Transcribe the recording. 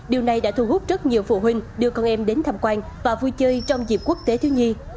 điều này đã thu hút rất nhiều phụ huynh đưa con em đến tham quan và vui chơi trong dịp quốc tế thiếu nhi